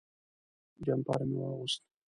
جمپر مې واغوست.